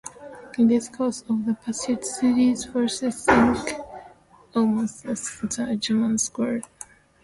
In the course of the pursuit Sturdee's forces sank almost the entire German squadron.